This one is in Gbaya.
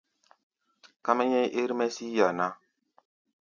Ká mɛ́ nyɛ̧́í̧ ér-mɛ́ sí yí-a ná.